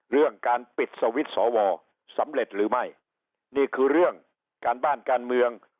เรื่องการปิดสวิตช์สอวอสำเร็จหรือไม่นี่คือเรื่องการบ้านการเมือง